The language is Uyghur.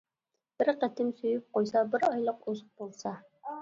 بىر قېتىم سۆيۈپ قويسا، بىر ئايلىق ئوزۇق بولسا.